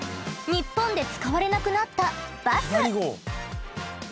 ニッポンで使われなくなったバス！